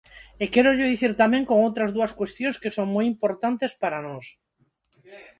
E quérollo dicir tamén con outras dúas cuestións que son moi importantes para nós.